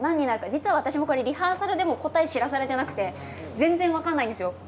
実は私はリハーサルでも答えを知らされていなくて全然、分からないんですよ。